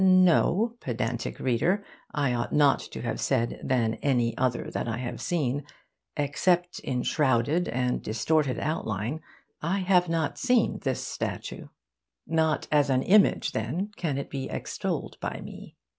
No, pedantic reader: I ought not to have said 'than any other that I have seen' Except in shrouded and distorted outline, I have not seen this statue. Not as an image, then, can it be extolled by me.